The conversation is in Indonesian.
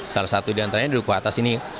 salah satu diantaranya di duku atas ini